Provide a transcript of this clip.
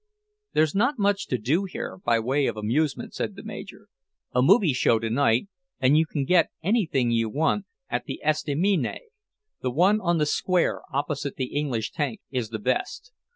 "There's not much to do here, by way of amusement," said the Major. "A movie show tonight, and you can get anything you want at the estaminet, the one on the square, opposite the English tank, is the best.